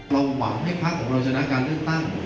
หวังให้พักของเราชนะการเลือกตั้ง